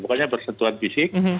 pokoknya bersentuhan fisik